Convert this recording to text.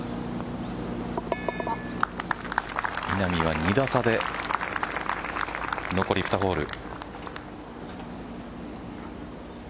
稲見は２打差で残り２ホール。